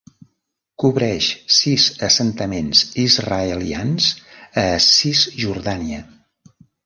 Cobreix sis assentaments israelians a Cisjordània.